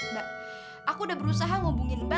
mbak aku udah berusaha hubungin mbak